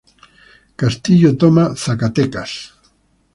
Castillo toma Zacatecas.